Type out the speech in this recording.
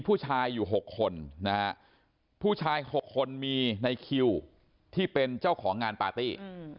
ผู้ชาย๖คนมีในคิวที่เป็นเจ้าของงานปาร์ตี้